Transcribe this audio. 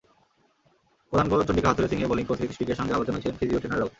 প্রধান coach Chandika Hathurusingha, bowling coach Heath স্ট্রিকের সঙ্গে আলোচনায় ছিলেন ফিজিও-ট্রেনাররাও।